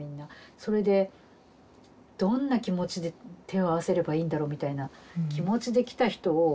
それでどんな気持ちで手を合わせればいいんだろみたいな気持ちで来た人を。